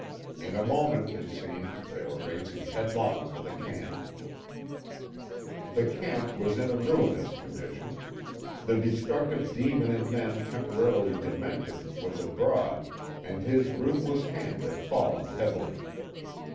In a moment, it seemed, they were racing headlong for the camp. The camp was in a ruinous condition. The destructive demon in men temporarily demented was abroad and his ruthless hand had fallen heavily.